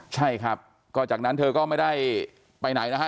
ใช่ครับก็จากนั้นเธอก็ไม่ได้ไปไหนนะฮะ